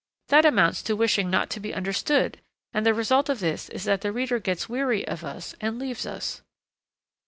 That amounts to wishing not to be understood, and the result of this is that the reader gets weary of us and leaves us.'